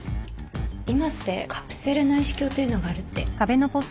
今ってカプセル内視鏡というのがあるって。